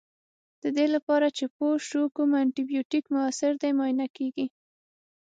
دې لپاره چې پوه شو کوم انټي بیوټیک موثر دی معاینه کیږي.